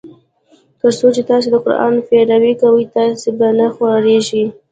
تر څو چي تاسي د قرآن پیروي کوی تاسي به نه خوارېږی.